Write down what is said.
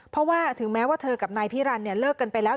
เพราะว่าถึงแม้ว่าเธอกับนายพิรันดิเลิกกันไปแล้ว